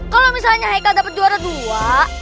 kalau misalnya haikal dapat juara dua